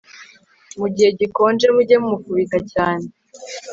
Mu gihe gikonje mujye mumufubika cyane